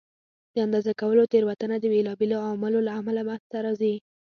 د اندازه کولو تېروتنه د بېلابېلو عواملو له امله منځته راځي.